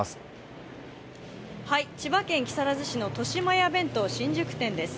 千葉県木更津市のとしまや弁当新宿店です。